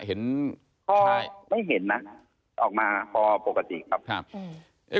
คอไม่เห็นนะออกมาคอปกติครับ